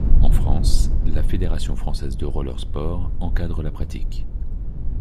En France, la Fédération française de roller sports encadre la pratique.